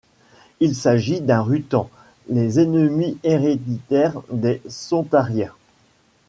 Il s'agit d'un Rutan, les ennemies héréditaires des sontariens.